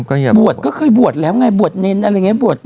ก็อย่าบวชบวชก็เคยบวชแล้วไงบวชเน้นอะไรอย่างเงี้ยบวชเน้น